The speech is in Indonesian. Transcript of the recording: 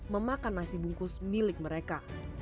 memakan nasi bungkus milik mereka